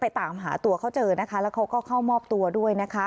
ตามหาตัวเขาเจอนะคะแล้วเขาก็เข้ามอบตัวด้วยนะคะ